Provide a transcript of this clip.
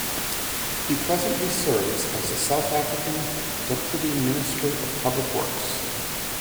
He presently serves as the South African Deputy Minister of Public Works.